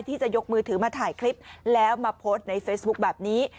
ที่จะยกมือถือมาถ่ายคลิปแล้วมาโพสต์ในเฟซบุ๊คแบบนี้